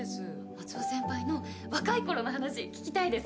松尾先輩の若いころの話聞きたいです。